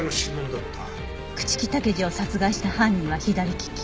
朽木武二を殺害した犯人は左利き。